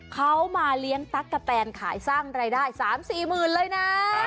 เขามาเลี้ยงตั๊กกะแตนขายสร้างรายได้๓๔หมื่นเลยนะ